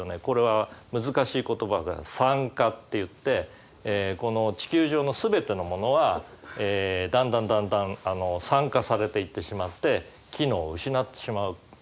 これは難しい言葉で酸化っていってこの地球上の全てのものはだんだんだんだん酸化されていってしまって機能を失ってしまう。